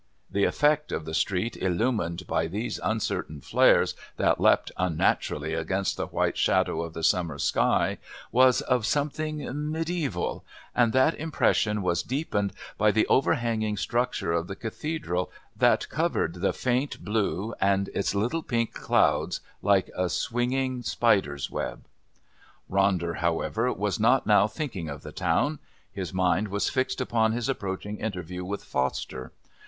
The effect of the street illumined by these uncertain flares that leapt unnaturally against the white shadow of the summer sky was of something mediaeval, and that impression was deepened by the overhanging structure of the Cathedral that covered the faint blue and its little pink clouds like a swinging spider's web. Ronder, however, was not now thinking of the town. His mind was fixed upon his approaching interview with Foster.